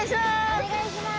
お願いします！